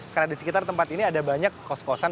karena disekitar di sini ada banyak pemasaran